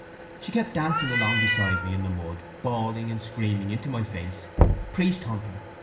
She kept dancing along beside me in the mud bawling and screaming into my face: _Priesthunter!